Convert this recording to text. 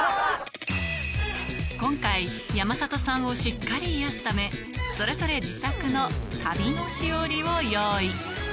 今回山里さんをしっかり癒すためそれぞれ自作の旅のしおりを用意